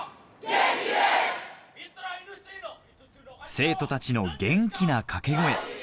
生徒たちの元気なかけ声